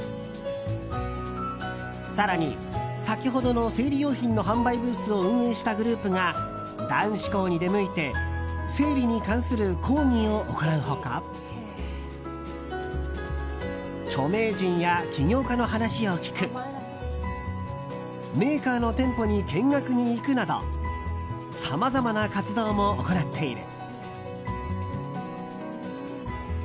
更に、先ほどの生理用品の販売ブースを運営したグループが男子校に出向いて生理に関する講義を行う他著名人や起業家の話を聞くメーカーの店舗に見学に行くなどさまざまな活動も行っている。